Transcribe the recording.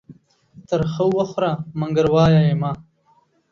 تر خه وخوره ، منگر وايه يې مه.